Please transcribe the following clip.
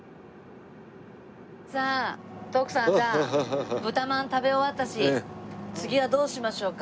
さあ徳さんじゃあ豚饅食べ終わったし次はどうしましょうか。